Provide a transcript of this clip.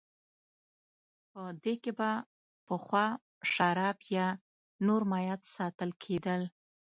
په دې کې به پخوا شراب یا نور مایعات ساتل کېدل